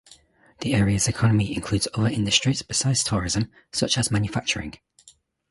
The area's economy includes other industries besides tourism, such as manufacturing.